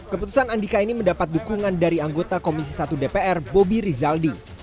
keputusan andika ini mendapat dukungan dari anggota komisi satu dpr bobi rizaldi